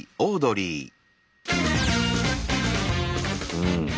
うん。